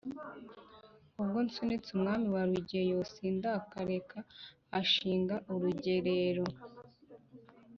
Ubwo nsunitse umwami wa Rugeyo, sindakareka ashinga urugerero,